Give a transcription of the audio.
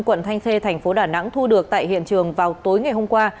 quận thanh khê thành phố đà nẵng thu được tại hiện trường vào tối ngày hôm qua